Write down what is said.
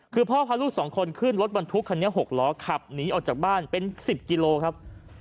คือพ่อพาลูก๒คนขึ้นรถบรรทุกคันนี้๖ล้อขับหนีออกจากบ้านเป็น๑๐กิโลครับ